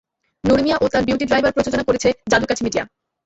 নুরু মিয়া ও তার beauty driver প্রযোজনা করেছে যাদু কাঠি মিডিয়া।